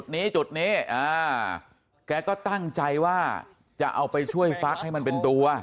จุดนี้จุดนี้แกก็ตั้งใจว่าจะเอาไปช่วยฟักให้มันเป็นตัว